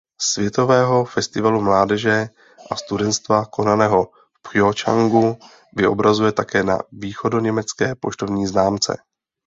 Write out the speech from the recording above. Světového festivalu mládeže a studentstva konaného v Pchjongjangu vyobrazena také na východoněmecké poštovní známce.